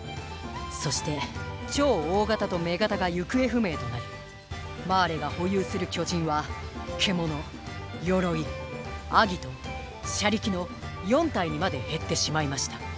そして「超大型」と「女型」が行方不明となりマーレが保有する巨人は４体にまで減ってしまいました。